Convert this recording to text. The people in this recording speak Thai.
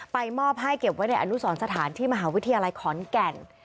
มอบให้เก็บไว้ในอนุสรสถานที่มหาวิทยาลัยขอนแก่น